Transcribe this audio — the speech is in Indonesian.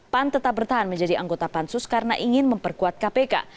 pan tetap bertahan menjadi anggota pansus karena ingin memperkuat kpk